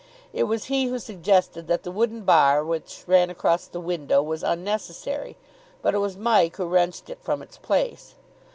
It was he who suggested that the wooden bar which ran across the window was unnecessary, but it was Mike who wrenched it from its place.